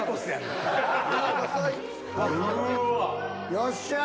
よっしゃー！